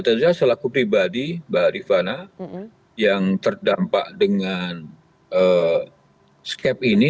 tentu saja selaku pribadi mbak rifana yang terdampak dengan skep ini